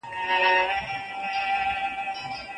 د حنفي فقهي مسلک دا خبره تاييدوي.